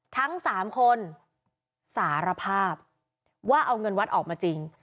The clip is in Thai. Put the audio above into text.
ทั้ง๓คนสารภาพว่าเอาเงินวัดออกมาจริง